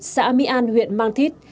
xã mỹ an huyện mang thít